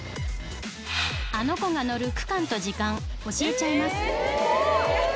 あのコが乗る区間と時間、教えちゃいます。